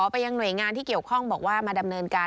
ไปยังหน่วยงานที่เกี่ยวข้องบอกว่ามาดำเนินการ